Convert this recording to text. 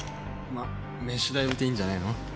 ま飯代浮いていいんじゃないの。